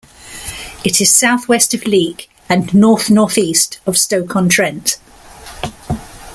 It is southwest of Leek and north-northeast of Stoke-on-Trent.